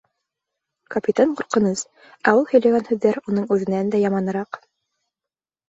Капитан ҡурҡыныс, ә ул һөйләгән һүҙҙәр уның үҙенән дә яманыраҡ.